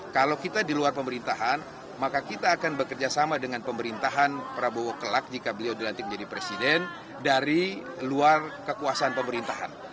kalau kita di luar pemerintahan maka kita akan bekerjasama dengan pemerintahan prabowo kelak jika beliau dilantik menjadi presiden dari luar kekuasaan pemerintahan